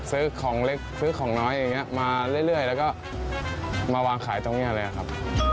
ซื้อของเล็กซื้อของน้อยอย่างนี้มาเรื่อยแล้วก็มาวางขายตรงนี้เลยครับ